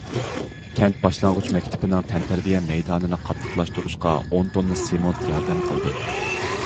كەنت باشلانغۇچ مەكتىپىنىڭ تەنتەربىيە مەيدانىنى قاتتىقلاشتۇرۇشقا ئون توننا سېمونت ياردەم قىلدى.